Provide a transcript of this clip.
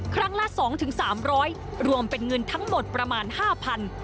ครั้งละสองถึงสามร้อยรวมเป็นเงินทั้งหมดประมาณห้าพัน